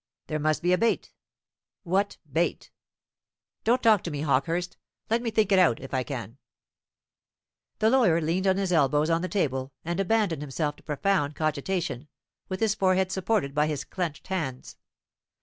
There must be a bait. What bait? Don't talk to me, Hawkehurst. Let me think it out, if I can." The lawyer leaned his elbows on the table, and abandoned himself to profound cogitation, with his forehead supported by his clenched hands.